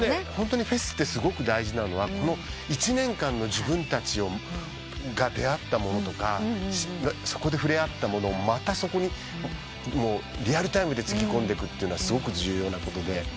フェスってすごく大事なのはこの一年間の自分たちが出合ったものとかそこで触れ合ったものをまたそこにリアルタイムでつぎ込んでくってのはすごく重要なことで。